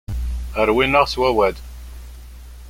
Rwin-aɣ s wawal.